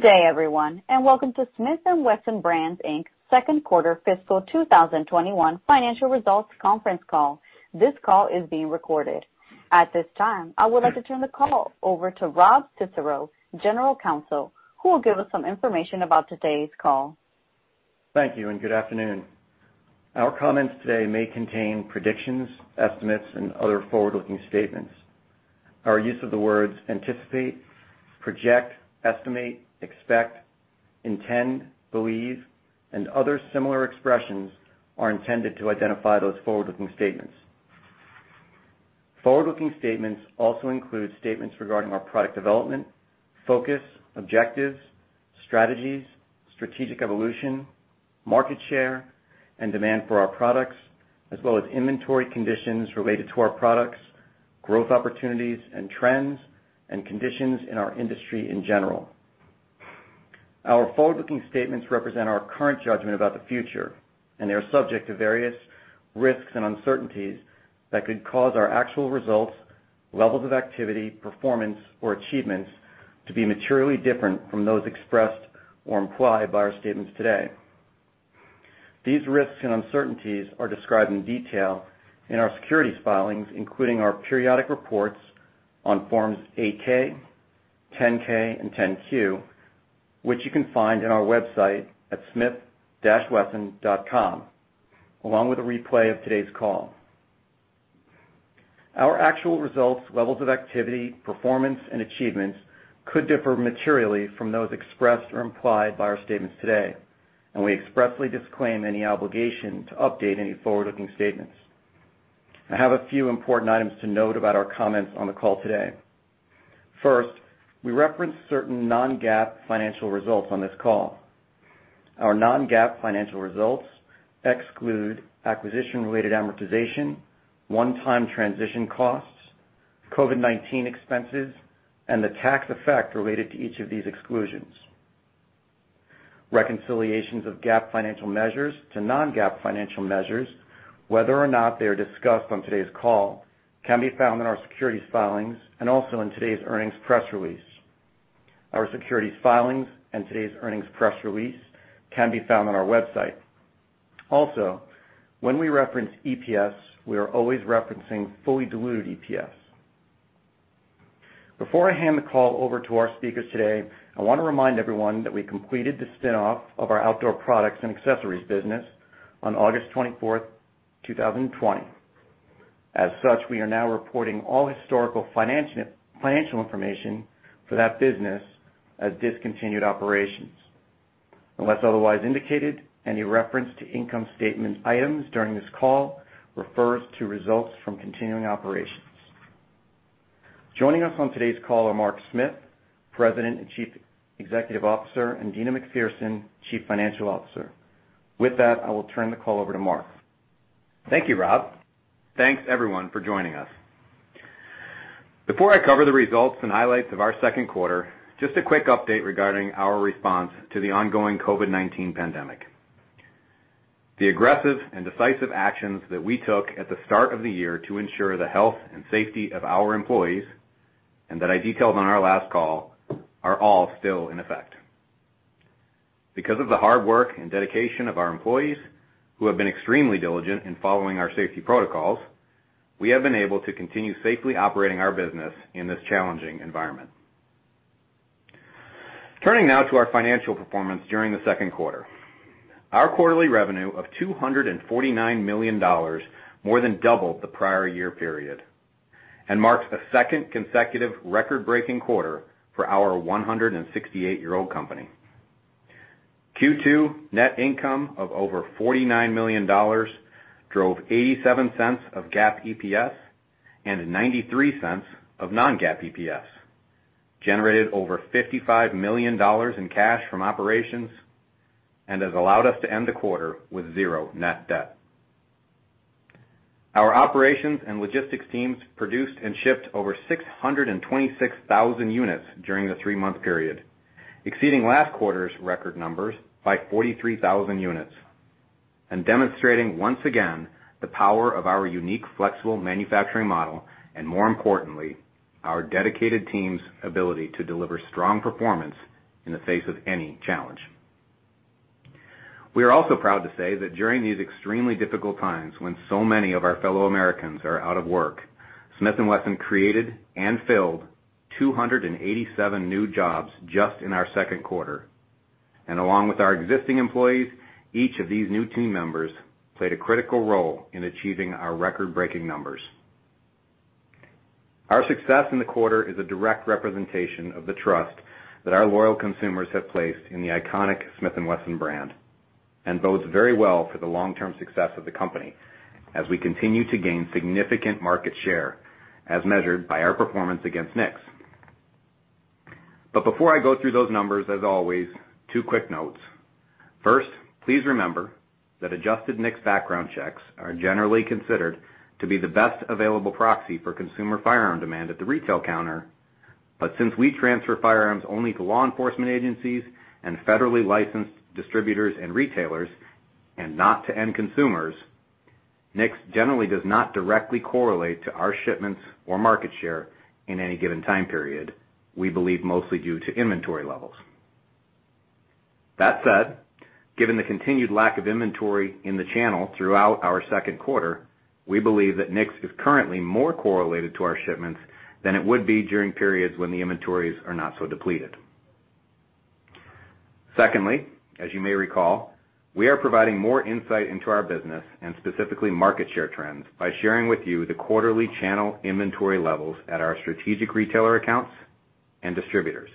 Good day everyone, and welcome to Smith & Wesson Brands Inc.'s second quarter fiscal 2021 financial results conference call. This call is being recorded. At this time, I would like to turn the call over to Rob Cicero, general counsel, who will give us some information about today's call. Thank you. Good afternoon. Our comments today may contain predictions, estimates, and other forward-looking statements. Our use of the words anticipate, project, estimate, expect, intend, believe, and other similar expressions are intended to identify those forward-looking statements. Forward-looking statements also include statements regarding our product development, focus, objectives, strategies, strategic evolution, market share, and demand for our products, as well as inventory conditions related to our products, growth opportunities and trends, and conditions in our industry in general. Our forward-looking statements represent our current judgment about the future, and they are subject to various risks and uncertainties that could cause our actual results, levels of activity, performance, or achievements to be materially different from those expressed or implied by our statements today. These risks and uncertainties are described in detail in our securities filings, including our periodic reports on Forms 8-K, 10-K, and 10-Q, which you can find on our website at smith-wesson.com, along with a replay of today's call. Our actual results, levels of activity, performance, and achievements could differ materially from those expressed or implied by our statements today. We expressly disclaim any obligation to update any forward-looking statements. I have a few important items to note about our comments on the call today. First, we reference certain non-GAAP financial results on this call. Our non-GAAP financial results exclude acquisition-related amortization, one-time transition costs, COVID-19 expenses, and the tax effect related to each of these exclusions. Reconciliations of GAAP financial measures to non-GAAP financial measures, whether or not they are discussed on today's call, can be found in our securities filings and also in today's earnings press release. Our securities filings and today's earnings press release can be found on our website. Also, when we reference EPS, we are always referencing fully diluted EPS. Before I hand the call over to our speakers today, I want to remind everyone that we completed the spin-off of our outdoor products and accessories business on August 24th, 2020. As such, we are now reporting all historical financial information for that business as discontinued operations. Unless otherwise indicated, any reference to income statement items during this call refers to results from continuing operations. Joining us on today's call are Mark Smith, President and Chief Executive Officer, and Deana McPherson, Chief Financial Officer. With that, I will turn the call over to Mark. Thank you, Rob. Thanks everyone for joining us. Before I cover the results and highlights of our second quarter, just a quick update regarding our response to the ongoing COVID-19 pandemic. The aggressive and decisive actions that we took at the start of the year to ensure the health and safety of our employees, and that I detailed on our last call, are all still in effect. Because of the hard work and dedication of our employees, who have been extremely diligent in following our safety protocols, we have been able to continue safely operating our business in this challenging environment. Turning now to our financial performance during the second quarter. Our quarterly revenue of $249 million more than doubled the prior year period and marks the second consecutive record-breaking quarter for our 168-year-old company. Q2 net income of over $49 million drove $0.87 of GAAP EPS and $0.93 of non-GAAP EPS, generated over $55 million in cash from operations, and has allowed us to end the quarter with zero net debt. Our operations and logistics teams produced and shipped over 626,000 units during the three-month period, exceeding last quarter's record numbers by 43,000 units and demonstrating once again the power of our unique, flexible manufacturing model, and more importantly, our dedicated team's ability to deliver strong performance in the face of any challenge. We are also proud to say that during these extremely difficult times when so many of our fellow Americans are out of work, Smith & Wesson created and filled 287 new jobs just in our second quarter. Along with our existing employees, each of these new team members played a critical role in achieving our record-breaking numbers. Our success in the quarter is a direct representation of the trust that our loyal consumers have placed in the iconic Smith & Wesson brand and bodes very well for the long-term success of the company as we continue to gain significant market share as measured by our performance against NICS. Before I go through those numbers, as always, two quick notes. First, please remember that adjusted NICS background checks are generally considered to be the best available proxy for consumer firearm demand at the retail counter, but since we transfer firearms only to law enforcement agencies and federally licensed distributors and retailers, and not to end consumers NICS generally does not directly correlate to our shipments or market share in any given time period, we believe mostly due to inventory levels. That said, given the continued lack of inventory in the channel throughout our second quarter, we believe that NICS is currently more correlated to our shipments than it would be during periods when the inventories are not so depleted. Secondly, as you may recall, we are providing more insight into our business and specifically market share trends by sharing with you the quarterly channel inventory levels at our strategic retailer accounts and distributors.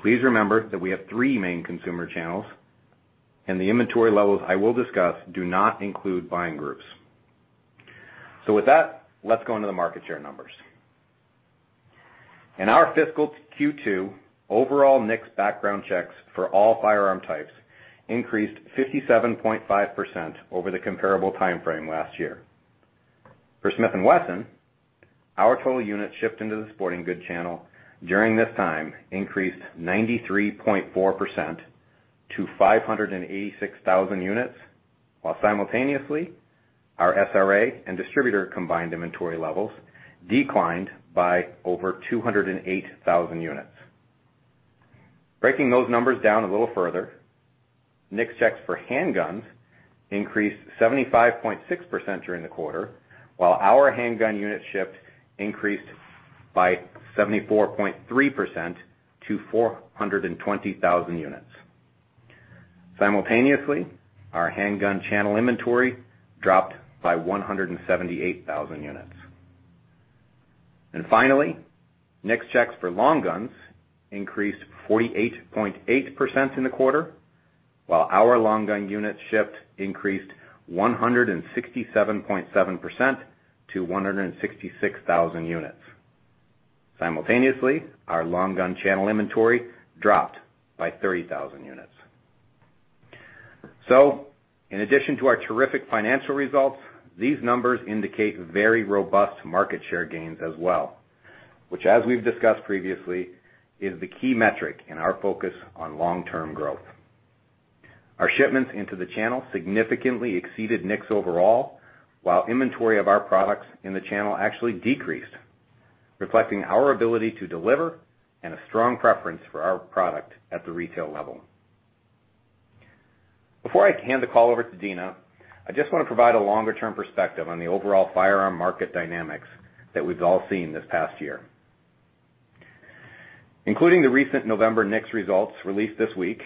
Please remember that we have three main consumer channels, and the inventory levels I will discuss do not include buying groups. With that, let's go into the market share numbers. In our fiscal Q2, overall NICS background checks for all firearm types increased 57.5% over the comparable timeframe last year. For Smith & Wesson, our total units shipped into the sporting goods channel during this time increased 93.4% to 586,000 units, while simultaneously, our SRA and distributor combined inventory levels declined by over 208,000 units. Breaking those numbers down a little further, NICS checks for handguns increased 75.6% during the quarter, while our handgun units shipped increased by 74.3% to 420,000 units. Simultaneously, our handgun channel inventory dropped by 178,000 units. Finally, NICS checks for long guns increased 48.8% in the quarter, while our long gun units shipped increased 167.7% to 166,000 units. Simultaneously, our long gun channel inventory dropped by 30,000 units. In addition to our terrific financial results, these numbers indicate very robust market share gains as well, which as we've discussed previously, is the key metric in our focus on long-term growth. Our shipments into the channel significantly exceeded NICS overall, while inventory of our products in the channel actually decreased, reflecting our ability to deliver and a strong preference for our product at the retail level. Before I hand the call over to Deana, I just want to provide a longer-term perspective on the overall firearm market dynamics that we've all seen this past year. Including the recent November NICS results released this week,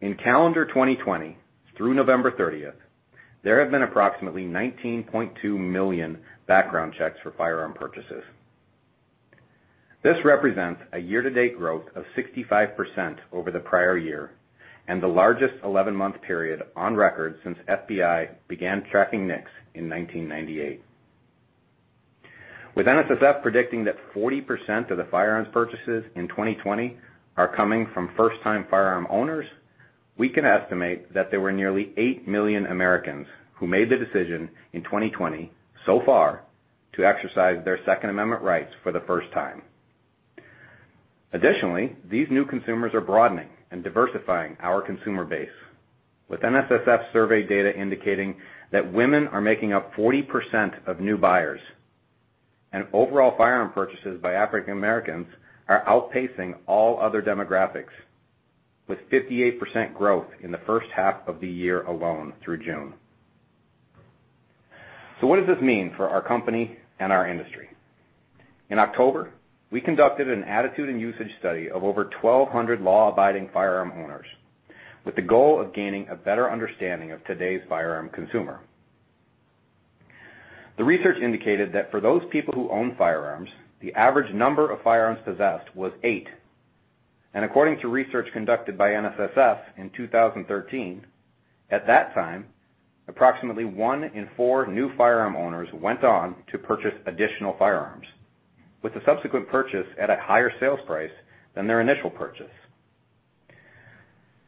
in calendar 2020 through November 30th, there have been approximately 19.2 million background checks for firearm purchases. This represents a year-to-date growth of 65% over the prior year and the largest 11-month period on record since FBI began tracking NICS in 1998. With NSSF predicting that 40% of the firearms purchases in 2020 are coming from first-time firearm owners, we can estimate that there were nearly 8 million Americans who made the decision in 2020 so far to exercise their Second Amendment rights for the first time. Additionally, these new consumers are broadening and diversifying our consumer base, with NSSF survey data indicating that women are making up 40% of new buyers, and overall firearm purchases by African Americans are outpacing all other demographics, with 58% growth in the first half of the year alone through June. What does this mean for our company and our industry? In October, we conducted an attitude and usage study of over 1,200 law-abiding firearm owners with the goal of gaining a better understanding of today's firearm consumer. The research indicated that for those people who own firearms, the average number of firearms possessed was eight. According to research conducted by NSSF in 2013, at that time, approximately one in four new firearm owners went on to purchase additional firearms, with the subsequent purchase at a higher sales price than their initial purchase.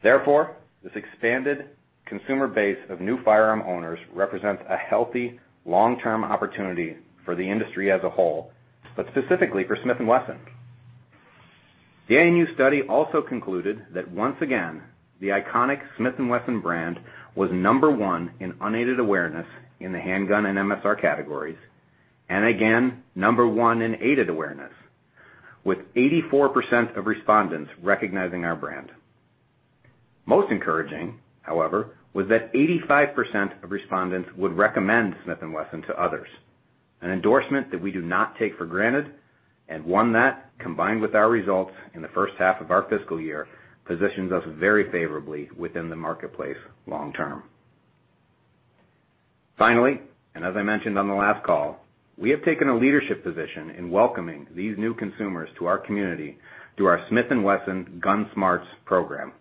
Therefore, this expanded consumer base of new firearm owners represents a healthy, long-term opportunity for the industry as a whole, but specifically for Smith & Wesson. The ANU study also concluded that once again, the iconic Smith & Wesson brand was number one in unaided awareness in the handgun and MSR categories, and again, number one in aided awareness, with 84% of respondents recognizing our brand. Most encouraging, however, was that 85% of respondents would recommend Smith & Wesson to others, an endorsement that we do not take for granted and one that, combined with our results in the first half of our fiscal year, positions us very favorably within the marketplace long term. Finally, as I mentioned on the last call, we have taken a leadership position in welcoming these new consumers to our community through our Smith & Wesson GUNSMARTS program.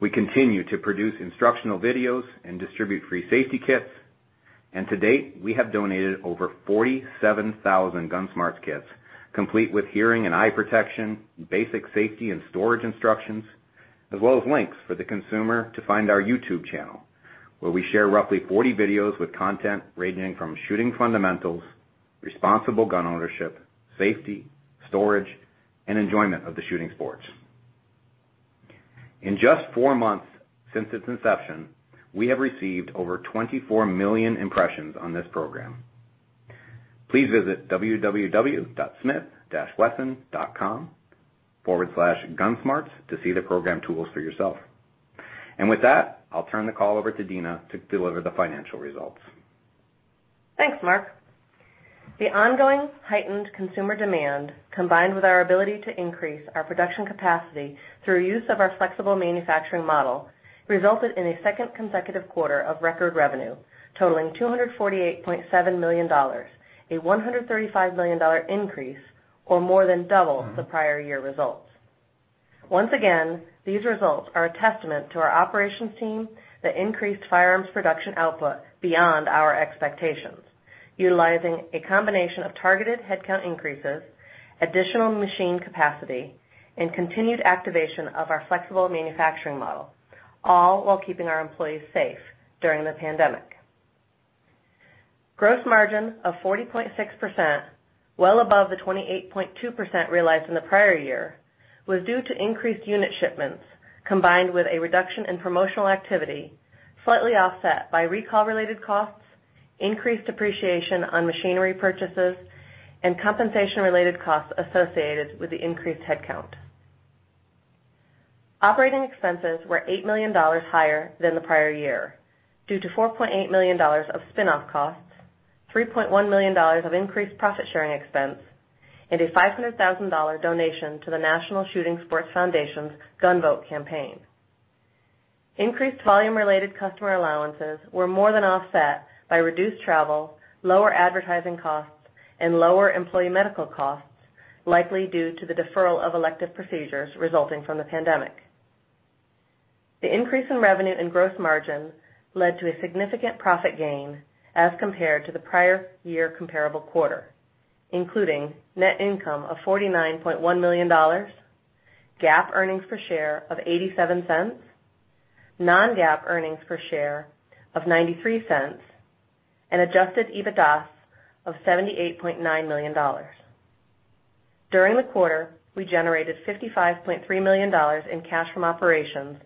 We continue to produce instructional videos and distribute free safety kits, and to date, we have donated over 47,000 GUNSMARTS kits, complete with hearing and eye protection, basic safety and storage instructions, as well as links for the consumer to find our YouTube channel, where we share roughly 40 videos with content ranging from shooting fundamentals, responsible gun ownership, safety, storage, and enjoyment of the shooting sports. In just four months since its inception, we have received over 24 million impressions on this program. Please visit www.smith-wesson.com/GUNSMARTS to see the program tools for yourself. With that, I'll turn the call over to Deana to deliver the financial results. Thanks, Mark. The ongoing heightened consumer demand, combined with our ability to increase our production capacity through use of our flexible manufacturing model, resulted in a second consecutive quarter of record revenue totaling $248.7 million, a $135 million increase, or more than double the prior year results. Once again, these results are a testament to our operations team that increased firearms production output beyond our expectations, utilizing a combination of targeted headcount increases, additional machine capacity, and continued activation of our flexible manufacturing model, all while keeping our employees safe during the pandemic. Gross margin of 40.6%, well above the 28.2% realized in the prior year, was due to increased unit shipments, combined with a reduction in promotional activity, slightly offset by recall-related costs, increased depreciation on machinery purchases, and compensation-related costs associated with the increased headcount. Operating expenses were $8 million higher than the prior year due to $4.8 million of spinoff costs, $3.1 million of increased profit-sharing expense, and a $500,000 donation to the National Shooting Sports Foundation's #GUNVOTE campaign. Increased volume-related customer allowances were more than offset by reduced travel, lower advertising costs, and lower employee medical costs, likely due to the deferral of elective procedures resulting from the pandemic. The increase in revenue and gross margin led to a significant profit gain as compared to the prior year comparable quarter, including net income of $49.1 million, GAAP earnings per share of $0.87, non-GAAP earnings per share of $0.93, and adjusted EBITDA of $78.9 million. During the quarter, we generated $55.3 million in cash from operations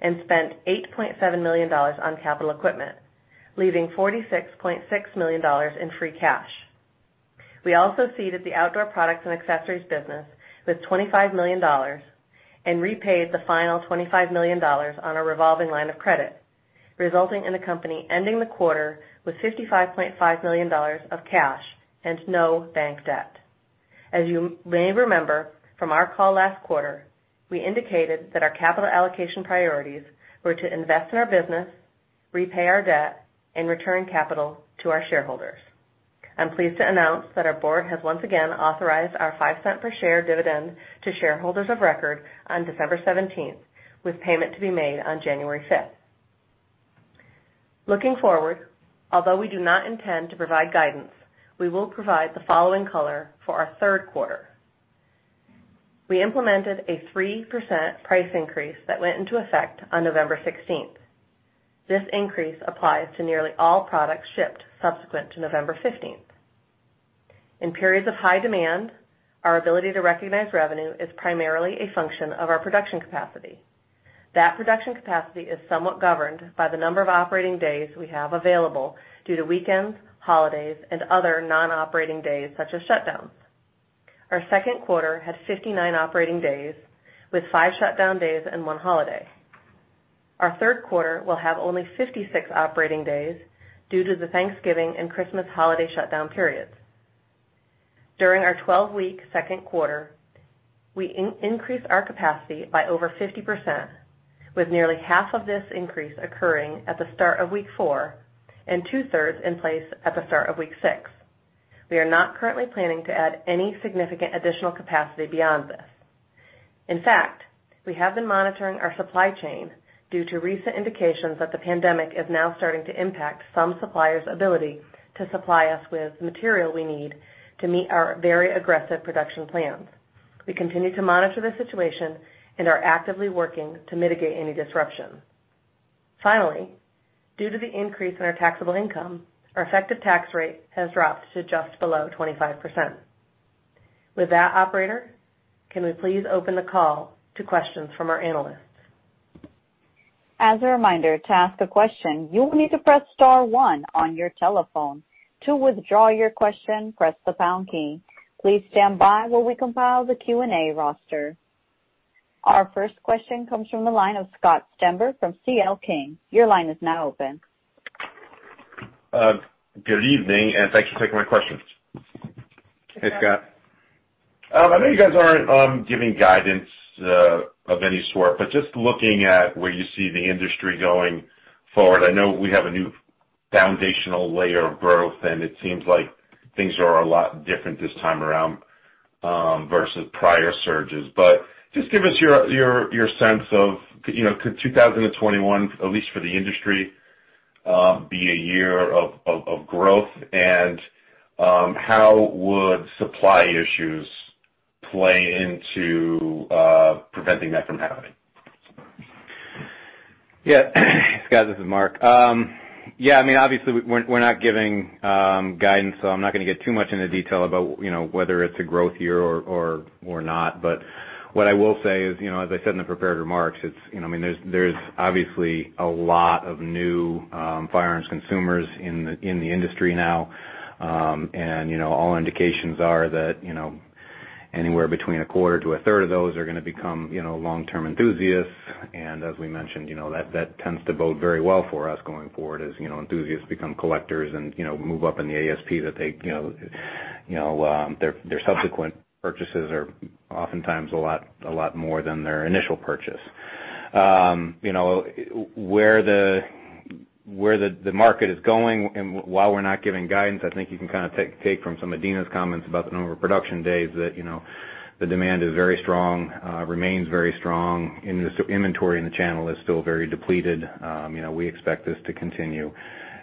and spent $8.7 million on capital equipment, leaving $46.6 million in free cash. We also ceded the outdoor products and accessories business with $25 million and repaid the final $25 million on a revolving line of credit, resulting in the company ending the quarter with $55.5 million of cash and no bank debt. As you may remember from our call last quarter, we indicated that our capital allocation priorities were to invest in our business, repay our debt, and return capital to our shareholders. I'm pleased to announce that our board has once again authorized our $0.05 per share dividend to shareholders of record on December 17th, with payment to be made on January 5th. Looking forward, although we do not intend to provide guidance, we will provide the following color for our third quarter. We implemented a 3% price increase that went into effect on November 16th. This increase applies to nearly all products shipped subsequent to November 15th. In periods of high demand, our ability to recognize revenue is primarily a function of our production capacity. That production capacity is somewhat governed by the number of operating days we have available due to weekends, holidays, and other non-operating days such as shutdowns. Our second quarter had 59 operating days with five shutdown days and one holiday. Our third quarter will have only 56 operating days due to the Thanksgiving and Christmas holiday shutdown periods. During our 12-week second quarter, we increased our capacity by over 50%, with nearly half of this increase occurring at the start of week four and two-thirds in place at the start of week six. We are not currently planning to add any significant additional capacity beyond this. We have been monitoring our supply chain due to recent indications that the pandemic is now starting to impact some suppliers' ability to supply us with material we need to meet our very aggressive production plans. We continue to monitor the situation and are actively working to mitigate any disruption. Due to the increase in our taxable income, our effective tax rate has dropped to just below 25%. With that, operator, can we please open the call to questions from our analysts? As a reminder, to ask a question, you will need to press star one on your telephone. To withdraw your question, press the pound key. Please stand by while we compile the Q&A roster. Our first question comes from the line of Scott Stember from C.L. King. Your line is now open. Good evening, thanks for taking my questions. Hey, Scott. I know you guys aren't giving guidance of any sort, but just looking at where you see the industry going forward, I know we have a new foundational layer of growth and it seems like things are a lot different this time around, versus prior surges. Just give us your sense of, could 2021, at least for the industry, be a year of growth, and how would supply issues play into preventing that from happening? Scott, this is Mark. Obviously, we're not giving guidance, so I'm not going to get too much into detail about whether it's a growth year or not. What I will say is, as I said in the prepared remarks, there's obviously a lot of new firearms consumers in the industry now. All indications are that anywhere between a quarter to a third of those are going to become long-term enthusiasts. As we mentioned, that tends to bode very well for us going forward as enthusiasts become collectors and move up in the ASP, that their subsequent purchases are oftentimes a lot more than their initial purchase. Where the market is going, and while we're not giving guidance, I think you can take from some of Deana's comments about the number of production days, that the demand is very strong, remains very strong, and the inventory in the channel is still very depleted. We expect this to continue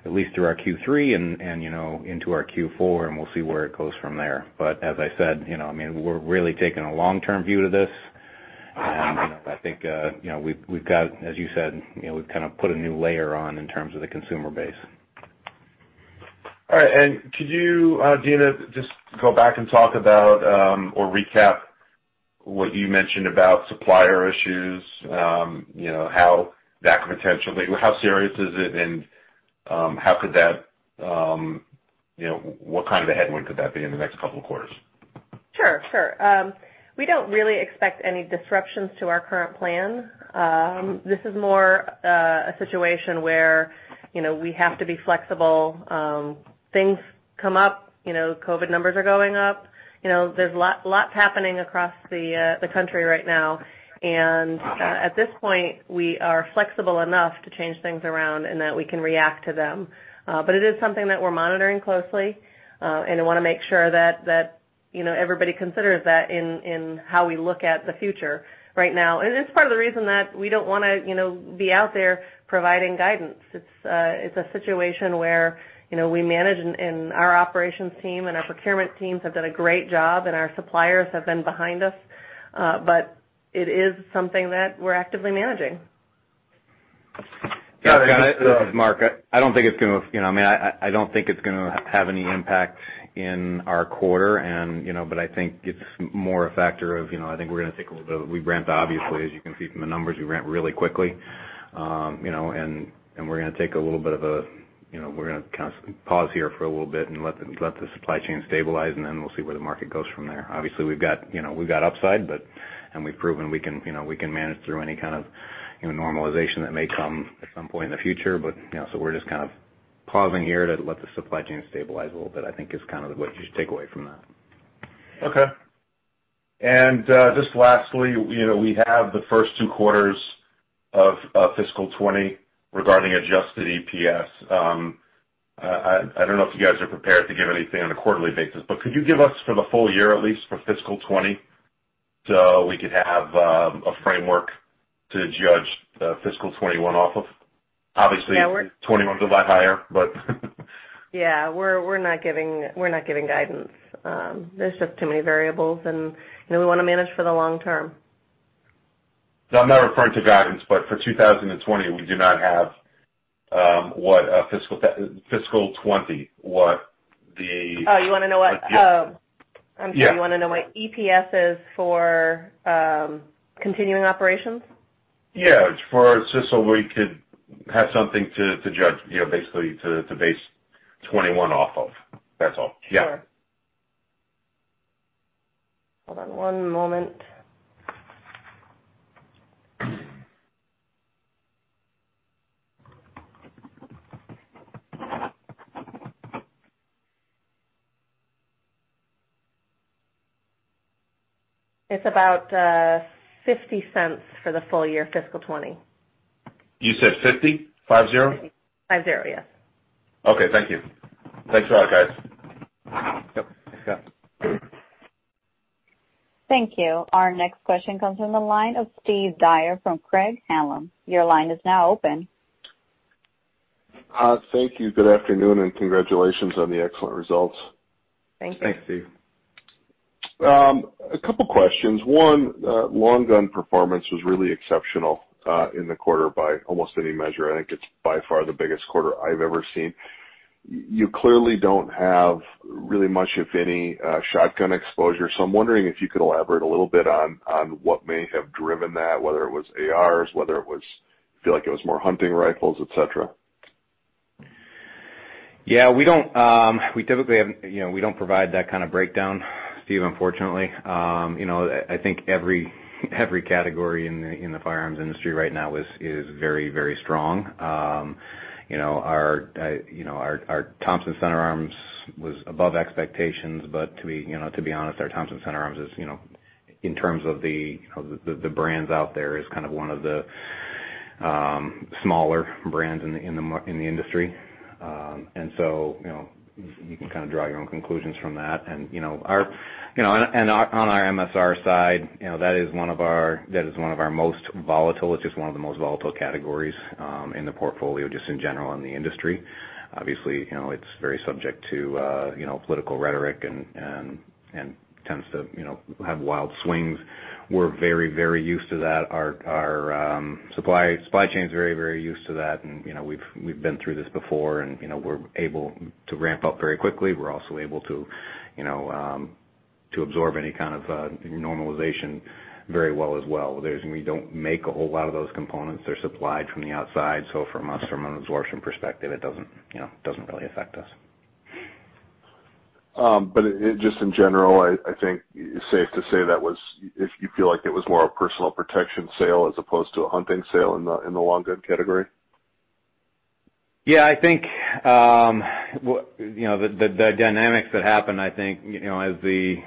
at least through our Q3 and into our Q4, and we'll see where it goes from there. As I said, we're really taking a long-term view to this, and I think, as you said, we've put a new layer on in terms of the consumer base. All right. Could you, Deana, just go back and talk about or recap what you mentioned about supplier issues, how serious is it, and what kind of a headwind could that be in the next couple of quarters? Sure. We don't really expect any disruptions to our current plan. This is more a situation where we have to be flexible. Things come up, COVID numbers are going up. There's lots happening across the country right now. At this point, we are flexible enough to change things around and that we can react to them. It is something that we're monitoring closely, and I want to make sure that everybody considers that in how we look at the future right now. It's part of the reason that we don't want to be out there providing guidance. It's a situation where we manage, and our operations team and our procurement teams have done a great job, and our suppliers have been behind us. It is something that we're actively managing. Scott, got it. This is Mark. I don't think it's going to have any impact in our quarter, but I think it's more a factor of, I think we're going to take a little bit. We ramped, obviously, as you can see from the numbers, we ramped really quickly. We're going to take a little bit of a, we're going to pause here for a little bit and let the supply chain stabilize, and then we'll see where the market goes from there. Obviously, we've got upside, and we've proven we can manage through any kind of normalization that may come at some point in the future, so we're just pausing here to let the supply chain stabilize a little bit, I think is what you should take away from that. Okay. Just lastly, we have the first two quarters of fiscal 2020 regarding adjusted EPS. I don't know if you guys are prepared to give anything on a quarterly basis, could you give us for the full year, at least, for fiscal 2020, so we could have a framework to judge fiscal 2021 off of? Yeah, we're- 2021's a lot higher. Yeah, we're not giving guidance. There's just too many variables, and we want to manage for the long term. No, I'm not referring to guidance, for 2020, we do not have what fiscal 2020, what the Oh, you want to know what Yeah. I'm sorry, you want to know what EPS is for continuing operations? Yeah, just so we could have something to judge, basically to base 2021 off of. That's all. Yeah. Sure. Hold on one moment. It's about $0.50 for the full year fiscal 2020. You said 50? Five zero? Five zero, yes. Okay, thank you. Thanks a lot, guys. Yep. Thanks, Scott. Thank you. Our next question comes from the line of Steve Dyer from Craig-Hallum. Your line is now open. Thank you. Good afternoon, and congratulations on the excellent results. Thank you. Thanks, Steve. A couple questions. One, long gun performance was really exceptional in the quarter by almost any measure. I think it's by far the biggest quarter I've ever seen. You clearly don't have really much, if any, shotgun exposure. I'm wondering if you could elaborate a little bit on what may have driven that, whether it was ARs, whether feel like it was more hunting rifles, et cetera. Yeah, we don't provide that kind of breakdown, Steve, unfortunately. I think every category in the firearms industry right now is very strong. Our Thompson/Center Arms was above expectations, but to be honest, our Thompson/Center Arms, in terms of the brands out there, is one of the smaller brands in the industry. You can draw your own conclusions from that. On our MSR side, that is one of our most volatile. It's just one of the most volatile categories in the portfolio, just in general in the industry. Obviously, it's very subject to political rhetoric and tends to have wild swings. We're very used to that. Our supply chain is very used to that, and we've been through this before, and we're able to ramp up very quickly. We're also able to absorb any kind of normalization very well as well. We don't make a whole lot of those components. They're supplied from the outside. From an absorption perspective, it doesn't really affect us. Just in general, I think it's safe to say if you feel like it was more a personal protection sale as opposed to a hunting sale in the long gun category? Yeah. I think the dynamics that happened, I think, as the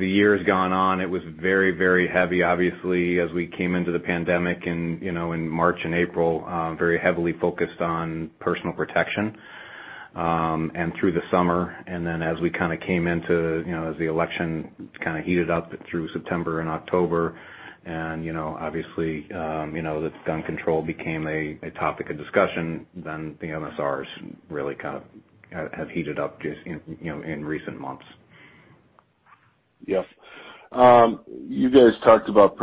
years gone on, it was very heavy, obviously, as we came into the pandemic in March and April, very heavily focused on personal protection, and through the summer. As we came into as the election kind of heated up through September and October, and obviously, the gun control became a topic of discussion, then the MSRs really kind of have heated up just in recent months. Yes. You guys talked about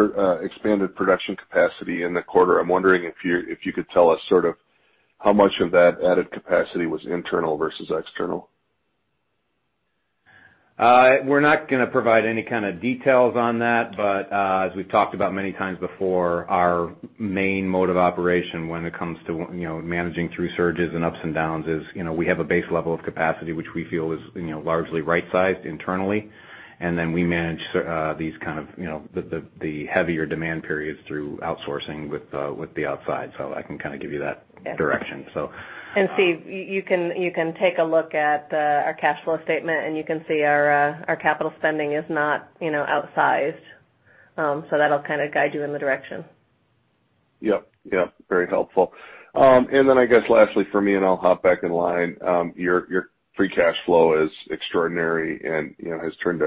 expanded production capacity in the quarter. I'm wondering if you could tell us sort of how much of that added capacity was internal versus external. We're not going to provide any kind of details on that. As we've talked about many times before, our main mode of operation when it comes to managing through surges and ups and downs is, we have a base level of capacity, which we feel is largely right-sized internally. Then we manage the heavier demand periods through outsourcing with the outside. I can kind of give you that direction. Steve, you can take a look at our cash flow statement, you can see our capital spending is not outsized. That'll kind of guide you in the direction. Yep. Very helpful. Then I guess lastly for me, and I'll hop back in line. Your free cash flow is extraordinary and has turned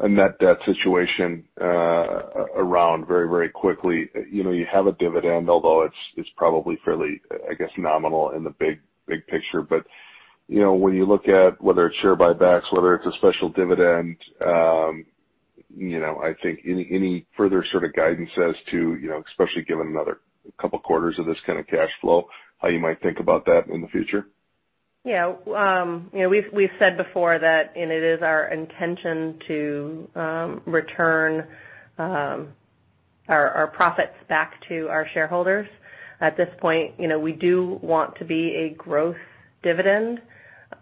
a net debt situation around very quickly. You have a dividend, although it's probably fairly, I guess, nominal in the big picture. When you look at whether it's share buybacks, whether it's a special dividend, I think any further sort of guidance as to, especially given another couple of quarters of this kind of cash flow, how you might think about that in the future? Yeah. We've said before that, it is our intention to return our profits back to our shareholders. At this point, we do want to be a growth dividend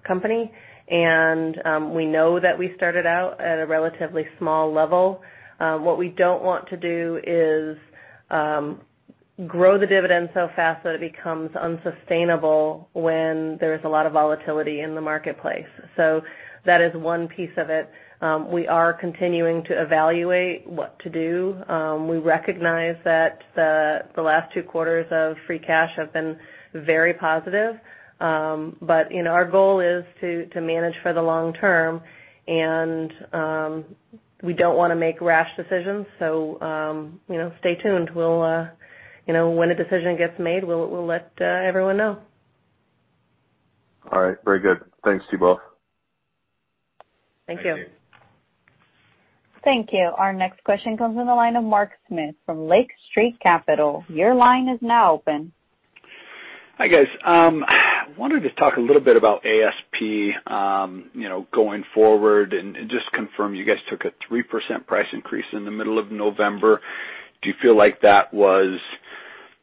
company, and we know that we started out at a relatively small level. What we don't want to do is grow the dividend so fast that it becomes unsustainable when there's a lot of volatility in the marketplace. That is one piece of it. We are continuing to evaluate what to do. We recognize that the last two quarters of free cash have been very positive. Our goal is to manage for the long term, and we don't want to make rash decisions, so stay tuned. When a decision gets made, we'll let everyone know. All right. Very good. Thanks to you both. Thank you. Thank you. Thank you. Our next question comes from the line of Mark Smith from Lake Street Capital. Your line is now open. Hi, guys. I wanted to talk a little bit about ASP going forward and just confirm you guys took a 3% price increase in the middle of November. Do you feel like that was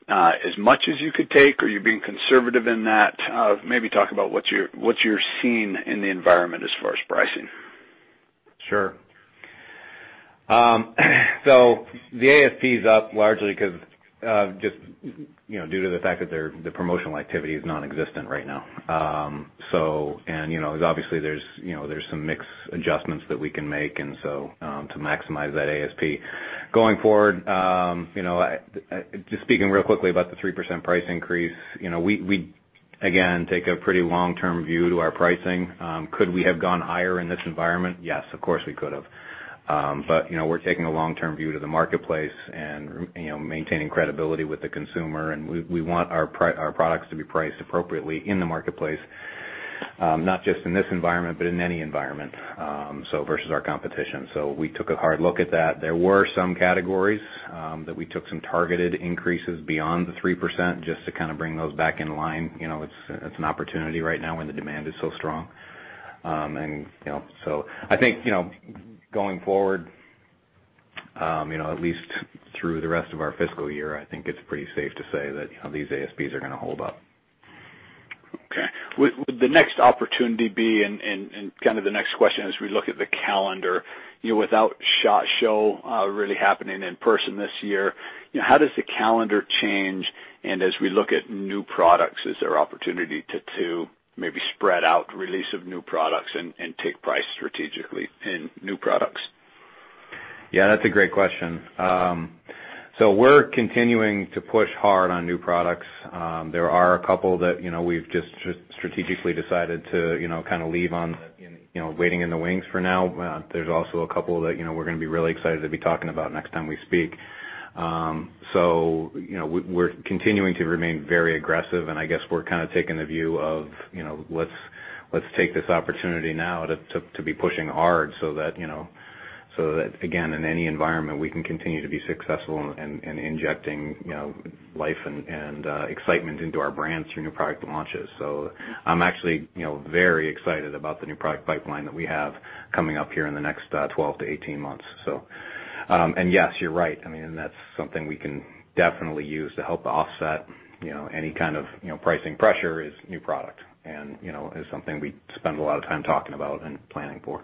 as much as you could take, or are you being conservative in that? Maybe talk about what you're seeing in the environment as far as pricing. Sure. The ASP is up largely because just due to the fact that the promotional activity is nonexistent right now. Obviously, there's some mix adjustments that we can make to maximize that ASP. Going forward, just speaking real quickly about the 3% price increase, we, again, take a pretty long-term view to our pricing. Could we have gone higher in this environment? Yes, of course, we could have. We're taking a long-term view to the marketplace and maintaining credibility with the consumer, and we want our products to be priced appropriately in the marketplace, not just in this environment, but in any environment, so versus our competition. We took a hard look at that. There were some categories that we took some targeted increases beyond the 3% just to kind of bring those back in line. It's an opportunity right now when the demand is so strong. I think, going forward, at least through the rest of our fiscal year, I think it's pretty safe to say that these ASPs are going to hold up. Okay. Would the next opportunity be, and kind of the next question as we look at the calendar, without SHOT Show really happening in person this year, how does the calendar change? As we look at new products, is there opportunity to maybe spread out release of new products and take price strategically in new products? Yeah, that's a great question. We're continuing to push hard on new products. There are a couple that we've just strategically decided to kind of leave on waiting in the wings for now. There's also a couple that we're going to be really excited to be talking about next time we speak. We're continuing to remain very aggressive, and I guess we're kind of taking the view of let's take this opportunity now to be pushing hard so that, again, in any environment, we can continue to be successful in injecting life and excitement into our brands through new product launches. I'm actually very excited about the new product pipeline that we have coming up here in the next 12 to 18 months. Yes, you're right, that's something we can definitely use to help offset any kind of pricing pressure is new product, and is something we spend a lot of time talking about and planning for.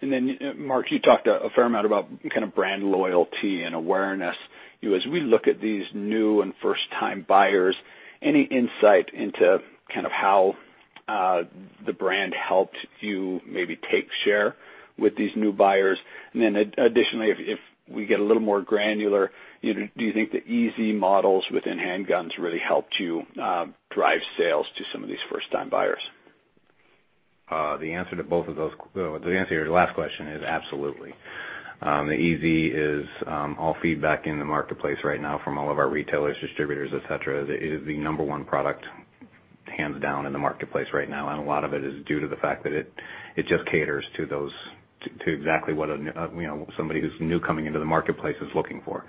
Mark, you talked a fair amount about kind of brand loyalty and awareness. As we look at these new and first-time buyers, any insight into kind of how the brand helped you maybe take share with these new buyers? Additionally, if we get a little more granular, do you think the EZ models within handguns really helped you drive sales to some of these first-time buyers? The answer to your last question is absolutely. The EZ is all feedback in the marketplace right now from all of our retailers, distributors, et cetera, that it is the number one product, hands down, in the marketplace right now, and a lot of it is due to the fact that it just caters to exactly what somebody who's new coming into the marketplace is looking for.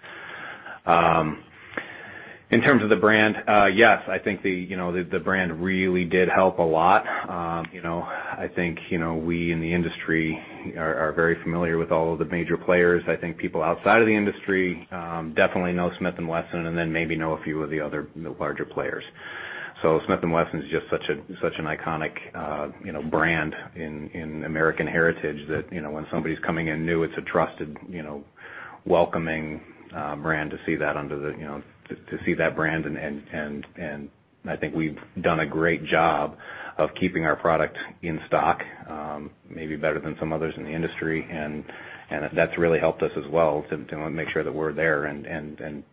In terms of the brand, yes, I think the brand really did help a lot. I think we, in the industry, are very familiar with all of the major players. I think people outside of the industry definitely know Smith & Wesson, and then maybe know a few of the other larger players. Smith & Wesson's just such an iconic brand in American heritage that when somebody's coming in new, it's a trusted, welcoming brand to see that brand, and I think we've done a great job of keeping our product in stock, maybe better than some others in the industry, and that's really helped us as well to make sure that we're there and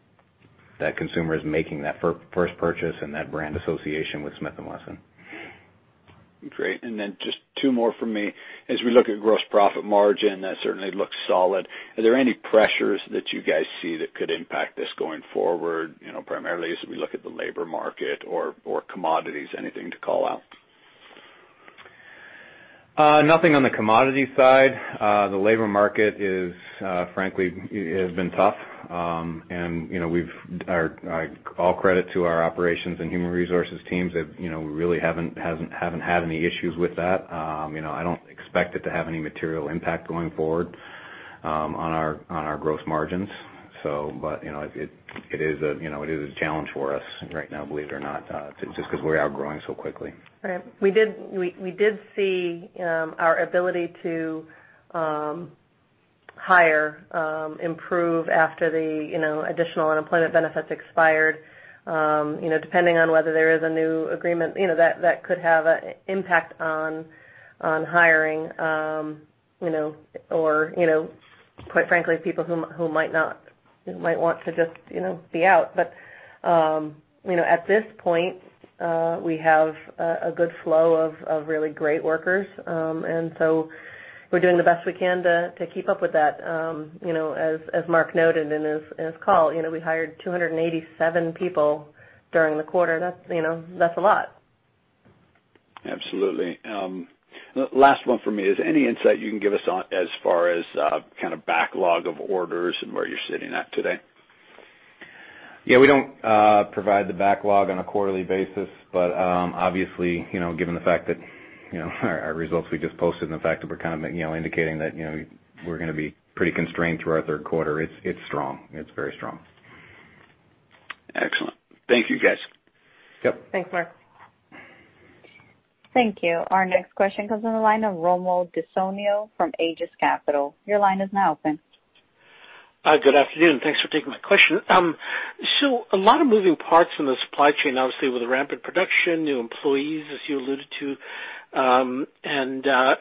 that consumer is making that first purchase and that brand association with Smith & Wesson. Great. Just two more from me. As we look at gross profit margin, that certainly looks solid. Are there any pressures that you guys see that could impact this going forward, primarily as we look at the labor market or commodities, anything to call out? Nothing on the commodities side. The labor market, frankly, has been tough. All credit to our operations and human resources teams that we really haven't had any issues with that. I don't expect it to have any material impact going forward on our gross margins. It is a challenge for us right now, believe it or not, just because we're outgrowing so quickly. Right. We did see our ability to hire improve after the additional unemployment benefits expired. Depending on whether there is a new agreement, that could have an impact on hiring, or quite frankly, people who might want to just be out. At this point, we have a good flow of really great workers. We're doing the best we can to keep up with that. As Mark noted in his call, we hired 287 people during the quarter. That's a lot. Absolutely. Last one from me is any insight you can give us as far as kind of backlog of orders and where you're sitting at today? Yeah, we don't provide the backlog on a quarterly basis, but obviously, given the fact that our results we just posted and the fact that we're kind of indicating that we're going to be pretty constrained through our third quarter, it's strong. It's very strong. Excellent. Thank you, guys. Yep. Thanks, Mark. Thank you. Our next question comes on the line of Rommel Dionisio from Aegis Capital. Your line is now open. Good afternoon. Thanks for taking my question. A lot of moving parts in the supply chain, obviously, with the rampant production, new employees, as you alluded to,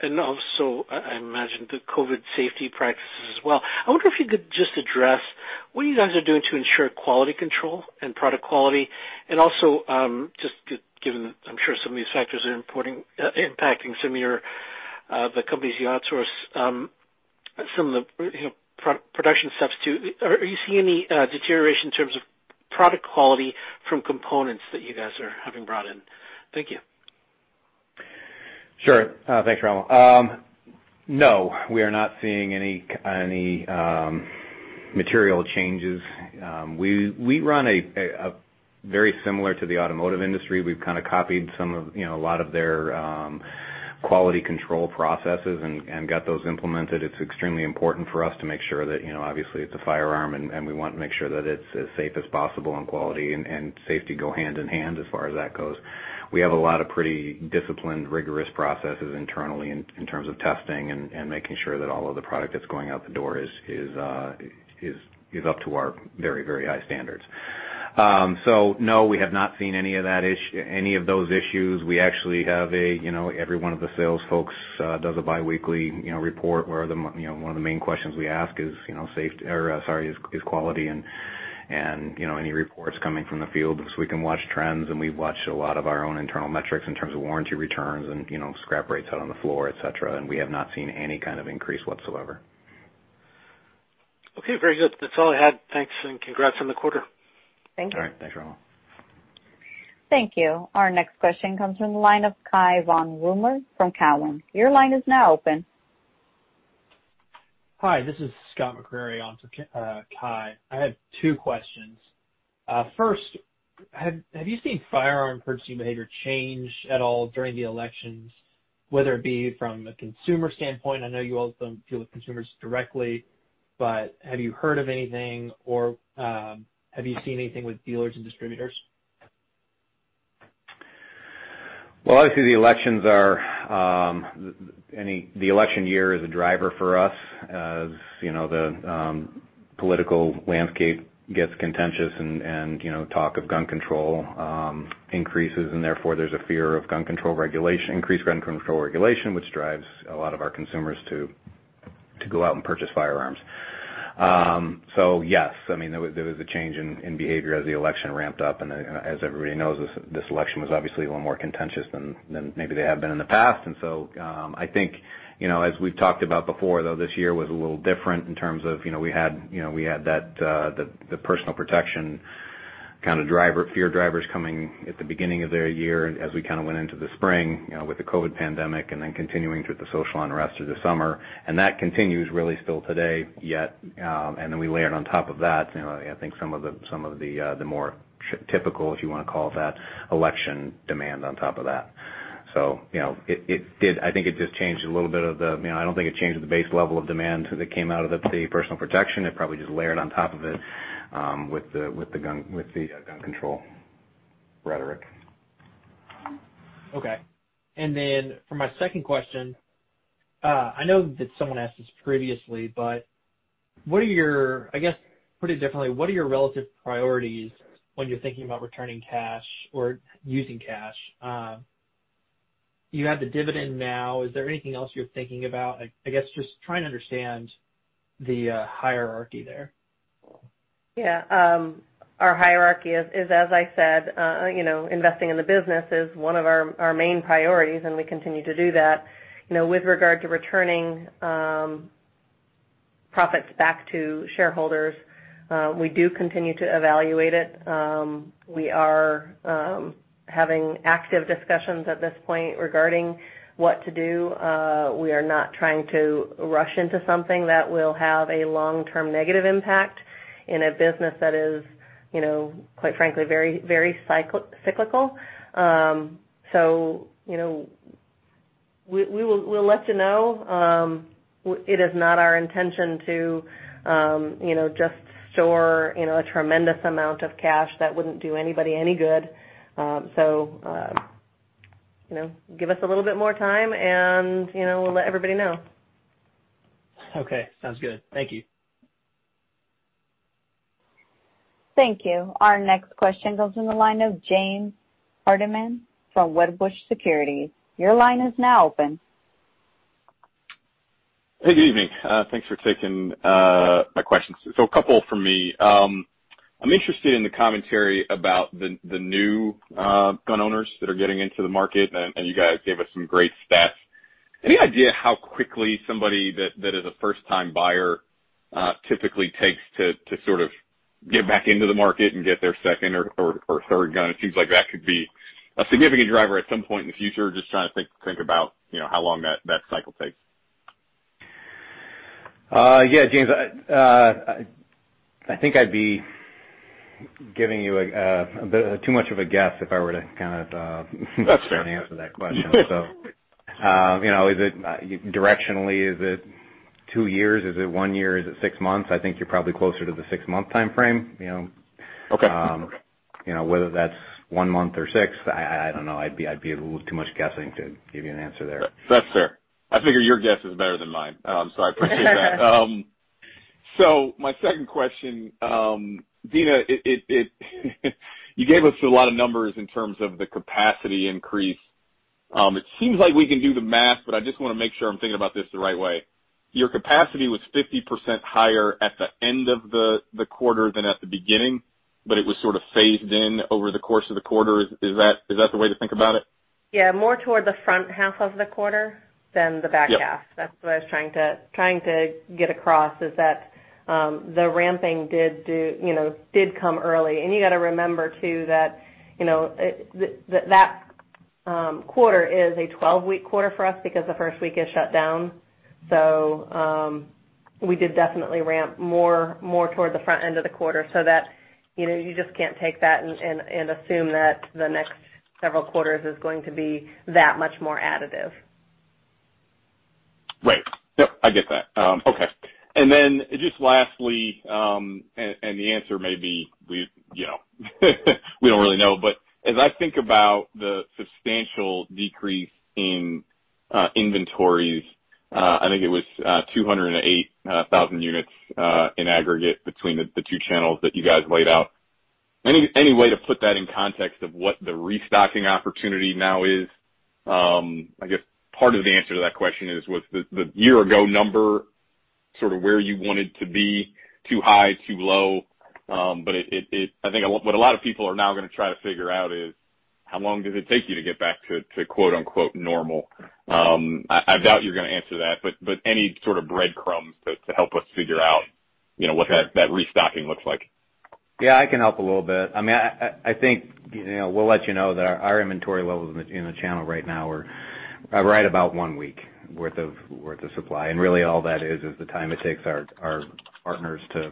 and also, I imagine the COVID safety practices as well. I wonder if you could just address what you guys are doing to ensure quality control and product quality, and also, just given I'm sure some of these factors are impacting some of the companies you outsource some of the production steps to, are you seeing any deterioration in terms of product quality from components that you guys are having brought in? Thank you. Sure. Thanks, Rommel. We are not seeing any material changes. We run very similar to the automotive industry. We've kind of copied a lot of their quality control processes and got those implemented. It's extremely important for us to make sure that, obviously, it's a firearm, and we want to make sure that it's as safe as possible, and quality and safety go hand-in-hand as far as that goes. We have a lot of pretty disciplined, rigorous processes internally in terms of testing and making sure that all of the product that's going out the door is up to our very high standards. No, we have not seen any of those issues. We actually have every one of the sales folks does a biweekly report, where one of the main questions we ask is quality and Any reports coming from the field so we can watch trends, and we've watched a lot of our own internal metrics in terms of warranty returns and scrap rates out on the floor, et cetera. We have not seen any kind of increase whatsoever. Okay. Very good. That's all I had. Thanks, and congrats on the quarter. Thank you. All right. Thanks, Rommel. Thank you. Our next question comes from the line of Cai von Rumohr from Cowen. Your line is now open. Hi. This is Scott McCreary on for Cai. I have two questions. First, have you seen firearm purchasing behavior change at all during the elections, whether it be from a consumer standpoint? I know you also deal with consumers directly, but have you heard of anything, or have you seen anything with dealers and distributors? Obviously, the election year is a driver for us. As the political landscape gets contentious and talk of gun control increases, and therefore there's a fear of increased gun control regulation, which drives a lot of our consumers to go out and purchase firearms. Yes, there was a change in behavior as the election ramped up. As everybody knows, this election was obviously a little more contentious than maybe they have been in the past. I think, as we've talked about before, though, this year was a little different in terms of, we had the personal protection kind of fear drivers coming at the beginning of the year as we went into the spring, with the COVID-19 pandemic, then continuing through the social unrest through the summer. That continues really still today, yet. Then we layer it on top of that, I think some of the more typical, if you want to call it that, election demand on top of that. I don't think it changed the base level of demand that came out of the personal protection. It probably just layered on top of it, with the gun control rhetoric. Okay. Then for my second question, I know that someone asked this previously, but I guess put it differently, what are your relative priorities when you're thinking about returning cash or using cash? You have the dividend now. Is there anything else you're thinking about? I guess just trying to understand the hierarchy there. Our hierarchy is, as I said, investing in the business is one of our main priorities. We continue to do that. With regard to returning profits back to shareholders, we do continue to evaluate it. We are having active discussions at this point regarding what to do. We are not trying to rush into something that will have a long-term negative impact in a business that is, quite frankly, very cyclical. We'll let you know. It is not our intention to just store a tremendous amount of cash that wouldn't do anybody any good. Give us a little bit more time and we'll let everybody know. Okay, sounds good. Thank you. Thank you. Our next question goes in the line of James Hardiman from Wedbush Securities. Your line is now open. A couple from me. I'm interested in the commentary about the new gun owners that are getting into the market, and you guys gave us some great stats. Any idea how quickly somebody that is a first-time buyer typically takes to sort of get back into the market and get their second or third gun? It seems like that could be a significant driver at some point in the future. Just trying to think about how long that cycle takes. Yeah, James, I think I'd be giving you a bit too much of a guess if I were to kind of- That's fair. Answer that question. Directionally, is it two years? Is it one year? Is it six months? I think you're probably closer to the six-month timeframe. Okay. Whether that's one month or six, I don't know. I'd be a little too much guessing to give you an answer there. That's fair. I figure your guess is better than mine. I appreciate that. My second question. Deana, you gave us a lot of numbers in terms of the capacity increase. It seems like we can do the math, but I just want to make sure I'm thinking about this the right way. Your capacity was 50% higher at the end of the quarter than at the beginning, but it was sort of phased in over the course of the quarter. Is that the way to think about it? Yeah. More toward the front half of the quarter than the back half. Yep. That's what I was trying to get across, is that the ramping did come early. You got to remember, too, that quarter is a 12-week quarter for us because the first week is shut down. We did definitely ramp more toward the front end of the quarter so that you just can't take that and assume that the next several quarters is going to be that much more additive. Right. Yep. I get that. Okay. Then just lastly, and the answer may be we don't really know, but as I think about the substantial decrease in inventories, I think it was 208,000 units in aggregate between the two channels that you guys laid out. Any way to put that in context of what the restocking opportunity now is? I guess part of the answer to that question is, was the year-ago number sort of where you wanted to be, too high, too low? I think what a lot of people are now going to try to figure out is, how long does it take you to get back to quote-unquote "normal?" I doubt you're going to answer that, but any sort of breadcrumbs to help us figure out what that restocking looks like. Yeah, I can help a little bit. We'll let you know that our inventory levels in the channel right now are right about one week worth of supply, and really all that is is the time it takes our partners to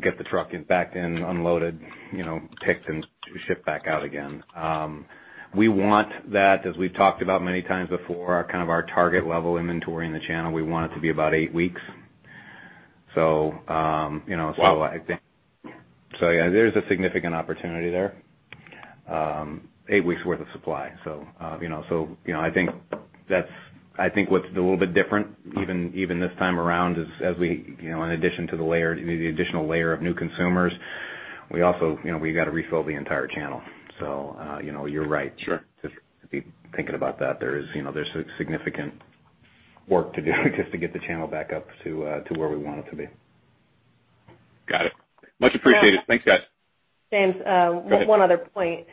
get the truck back in, unloaded, picked, and shipped back out again. We want that, as we've talked about many times before, kind of our target level inventory in the channel, we want it to be about eight weeks. Wow. Yeah, there's a significant opportunity there. 8 weeks worth of supply. I think what's a little bit different even this time around is in addition to the additional layer of new consumers, we've got to refill the entire channel. You're right. Sure. Just be thinking about that. There's significant work to do just to get the channel back up to where we want it to be. Got it. Much appreciated. Thanks, guys. James, one other point.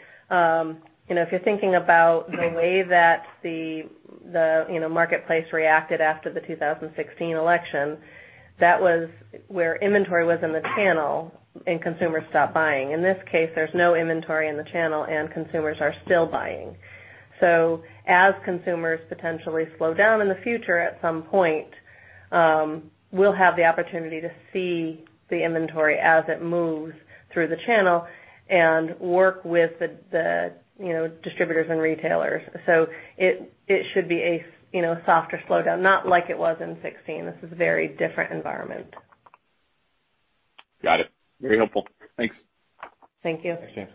If you're thinking about the way that the marketplace reacted after the 2016 election, that was where inventory was in the channel and consumers stopped buying. In this case, there's no inventory in the channel, and consumers are still buying. As consumers potentially slow down in the future at some point, we'll have the opportunity to see the inventory as it moves through the channel and work with the distributors and retailers. It should be a softer slowdown, not like it was in 2016. This is a very different environment. Got it. Very helpful. Thanks. Thank you. Thanks, James.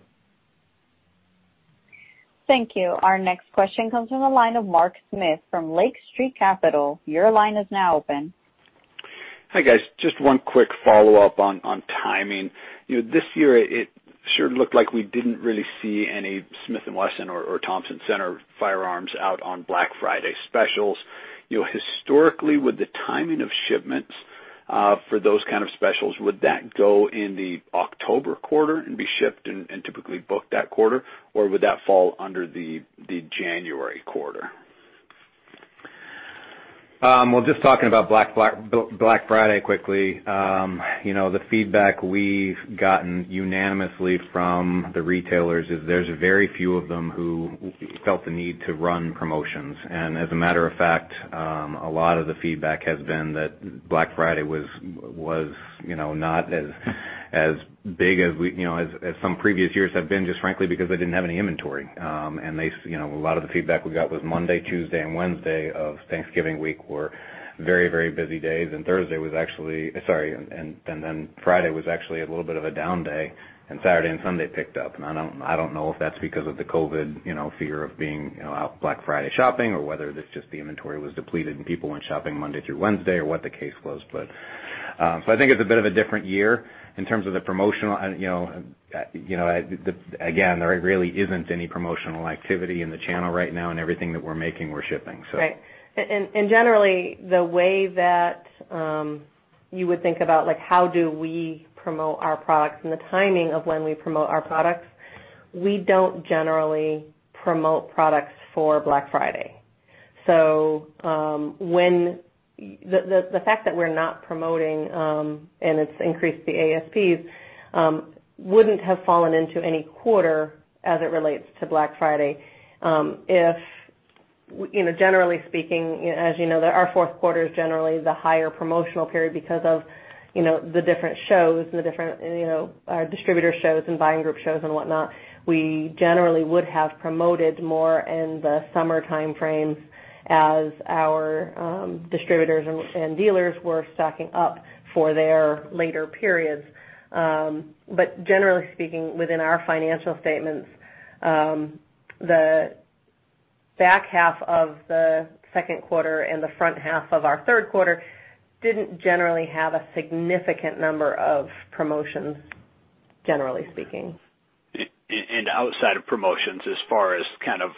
Thank you. Our next question comes from the line of Mark Smith from Lake Street Capital. Your line is now open. Hi, guys. Just one quick follow-up on timing. This year it sure looked like we didn't really see any Smith & Wesson or Thompson/Center firearms out on Black Friday specials. Historically, with the timing of shipments for those kind of specials, would that go in the October quarter and be shipped and typically booked that quarter, or would that fall under the January quarter? Well, just talking about Black Friday quickly. The feedback we've gotten unanimously from the retailers is there's very few of them who felt the need to run promotions. As a matter of fact, a lot of the feedback has been that Black Friday was not as big as some previous years have been, just frankly because they didn't have any inventory. A lot of the feedback we got was Monday, Tuesday, and Wednesday of Thanksgiving week were very busy days, Friday was actually a little bit of a down day, and Saturday and Sunday picked up. I don't know if that's because of the COVID fear of being out Black Friday shopping or whether it's just the inventory was depleted and people went shopping Monday through Wednesday or what the case was. I think it's a bit of a different year in terms of the promotional. Again, there really isn't any promotional activity in the channel right now, everything that we're making, we're shipping. Right. Generally, the way that you would think about how do we promote our products and the timing of when we promote our products, we don't generally promote products for Black Friday. The fact that we're not promoting and it's increased the ASPs wouldn't have fallen into any quarter as it relates to Black Friday. Generally speaking, as you know, our fourth quarter is generally the higher promotional period because of the different distributor shows and buying group shows and whatnot. We generally would have promoted more in the summer time frames as our distributors and dealers were stocking up for their later periods. Generally speaking, within our financial statements, the back half of the second quarter and the front half of our third quarter didn't generally have a significant number of promotions. Outside of promotions, as far as kind of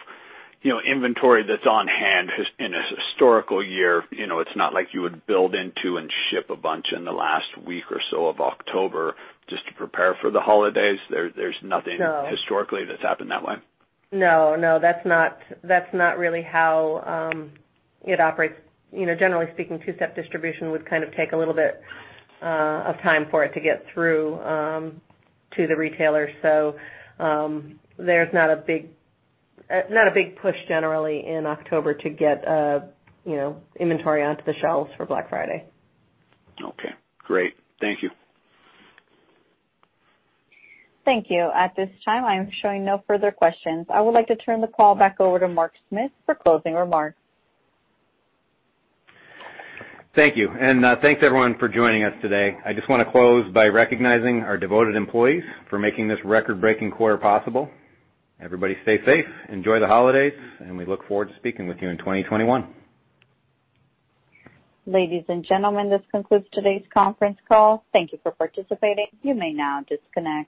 inventory that's on hand in a historical year, it's not like you would build into and ship a bunch in the last week or so of October just to prepare for the holidays. There's nothing. No Historically that's happened that way? No, that's not really how it operates. Generally speaking, two-step distribution would kind of take a little bit of time for it to get through to the retailers. There's not a big push generally in October to get inventory onto the shelves for Black Friday. Okay, great. Thank you. Thank you. At this time, I am showing no further questions. I would like to turn the call back over to Mark Smith for closing remarks. Thank you. Thanks, everyone, for joining us today. I just want to close by recognizing our devoted employees for making this record-breaking quarter possible. Everybody stay safe, enjoy the holidays, and we look forward to speaking with you in 2021. Ladies and gentlemen, this concludes today's conference call. Thank you for participating. You may now disconnect.